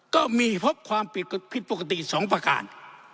ก็มีพบความผิดปกติ๒ประการ